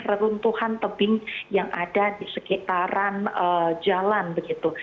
reruntuhan tebing yang ada di sekitaran jalan begitu